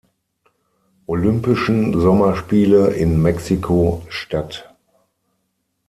Olympischen Sommerspiele in Mexiko-Stadt.